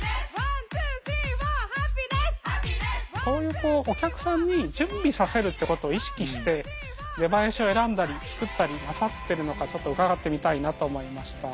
そういうお客さんに準備させるってことを意識して出囃子を選んだり作ったりなさってるのかちょっと伺ってみたいなと思いました。